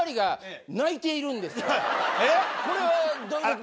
これはどういうこと。